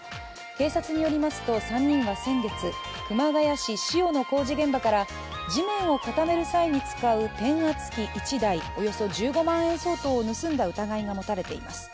警察によりますと、３人は先月熊谷市塩の工事現場から地面を固める際に使う転圧機１台およそ１５万円相当を盗んだ疑いが持たれています。